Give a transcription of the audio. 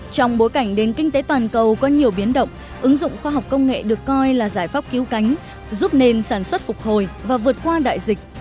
trong bối cảnh nền kinh tế toàn cầu có nhiều biến động ứng dụng khoa học công nghệ được coi là giải pháp cứu cánh giúp nền sản xuất phục hồi và vượt qua đại dịch